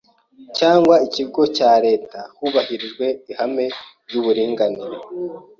cyangwa ikigo cya Leta hubahirijwe ihame ry’uburinganire